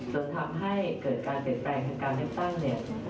จนทำให้เกิดการเปลี่ยนแปลงของการเลือกตั้งเนี่ย